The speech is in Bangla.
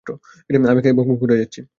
আমি একাই বকবক করে যাচ্ছি।